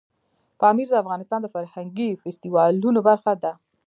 پامیر د افغانستان د فرهنګي فستیوالونو برخه ده.